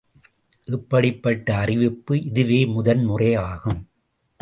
இப்படிப்பட்ட அறிவிப்பு இதுவே முதன் முறையாகும்.